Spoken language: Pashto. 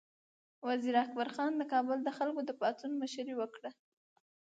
وزیر اکبر خان د کابل د خلکو د پاڅون مشري وکړه.